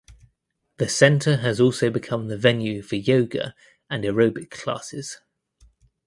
The center has also become the venue for yoga and aerobic classes.